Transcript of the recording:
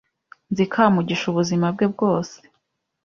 Nzi Kamugisha ubuzima bwe bwose.